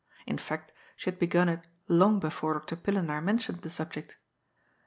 In fact, she had begun it long before Dr. Pillenaar mentioned the subject.